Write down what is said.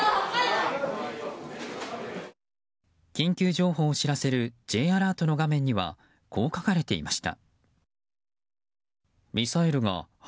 緊急情報を知らせるＪアラートの画面にはこう書かれていました。